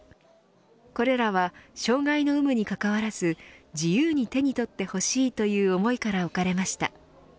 これらは障害の有無にかかわらず自由に手にとってほしいという思いから置かれました。